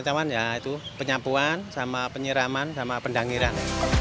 perawatan tamannya ya itu penyampuan sama penyiraman sama pendangiran